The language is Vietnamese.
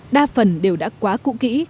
đa phần đều đã quá cụ kỹ